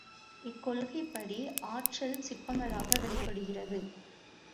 இக்கொள்கைப்படி ஆற்றல் சிப்பங்களாக வெளிப்படுகிறது.